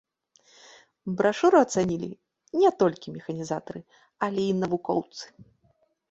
Брашуру ацанілі не толькі механізатары, але і навукоўцы.